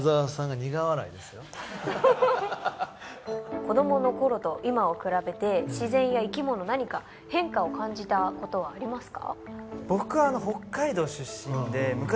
子どものころと今を比べて自然や生き物何か変化を感じたことはありますか？